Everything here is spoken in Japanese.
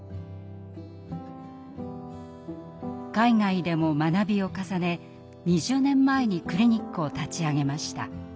海外でも学びを重ね２０年前にクリニックを立ち上げました。